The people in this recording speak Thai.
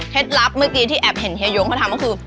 ลับเมื่อกี้ที่แอบเห็นเฮียยงเขาทำก็คือ